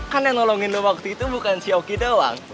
kan yang nolongin lu waktu itu bukan si oki doang